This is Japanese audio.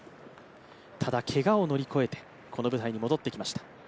ただ、けがを乗り越えてこの舞台に戻ってきました。